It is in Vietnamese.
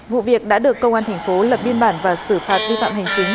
vụ việc đã được công an thành phố lập biên bản và xử phạt vi phạm hành chính